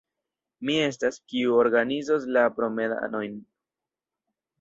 Mi estas, kiu organizos la promenadojn.